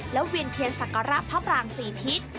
และเวียนเขียนสักการะพระปราง๔ทิศ